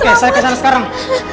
oke saya kesana sekarang